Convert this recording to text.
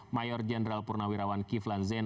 mayor jenderal purnawirawan kiflan zen